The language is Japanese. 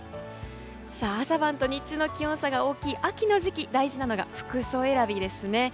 朝晩と日中の気温差が大きい秋の時期大事なのが服装選びですね。